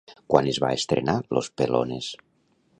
Quan es va estrenar Los Pelones?